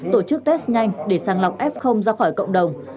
tổ chức test nhanh để sàng lọc f ra khỏi cộng đồng